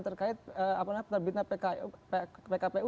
terkait terbitna pkpu